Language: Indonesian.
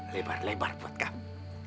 lebar lebar buat kamu